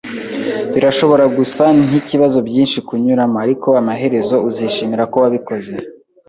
Birashobora gusa nkibibazo byinshi kunyuramo, ariko amaherezo, uzishimira ko wabikoze